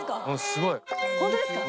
「すごい」「ホントですか？」